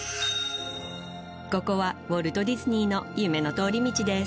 ここはウォルト・ディズニーの夢の通り道です